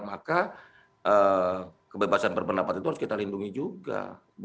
maka kebebasan berpendapat itu harus kita lindungi juga